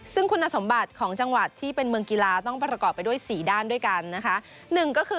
ซึ่งคุณสมบัติของจังหวัดที่เป็นเมืองกีฬาต้องประกอบไปด้วย๔ด้านด้วยกันนะคะ